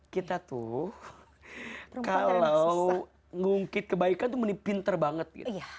kita tuh kalau mengungkit kebaikan itu menipinter banget